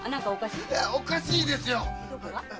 いやおかしいですよ。